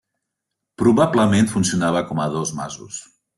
Probablement funcionava com a dos masos.